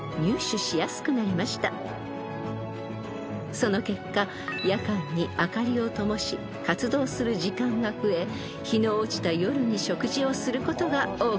［その結果夜間に灯りをともし活動する時間が増え日の落ちた夜に食事をすることが多くなったそうです］